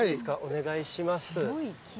お願いします。